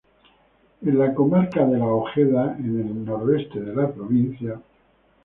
En la comarca de La Ojeda, en el Noroeste de la provincia.